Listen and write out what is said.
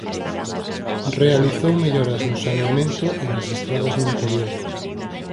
Realizou melloras no saneamento e nas estradas no interior.